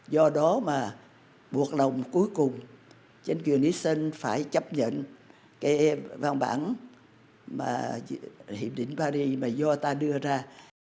do đó mà buộc lòng cuối cùng chính quyền nixon phải chấp nhận cái bàn bản hiệp định paris mà do ta đưa ra